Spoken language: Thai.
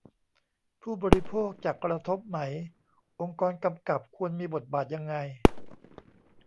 ผู้บริโภคจะกระทบไหม องค์กรกำกับควรมีบทบาทยังไง